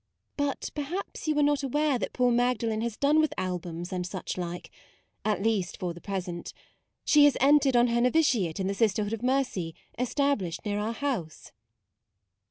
But perhaps you are not aware that poor Magdalen has done with albums and such like, at least for the present : she has entered on her novitiate in the Sisterhood of Mercy established near our house."